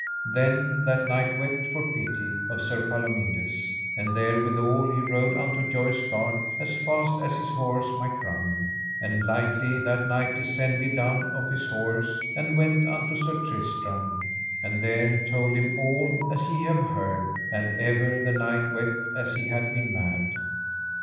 Then that knight wept for pity of Sir Palomides; and therewithal he rode unto Joyous Gard as fast as his horse might run, and lightly that knight descended down off his horse and went unto Sir Tristram, and there he told him all as ye have heard, and ever the knight wept as he had been mad.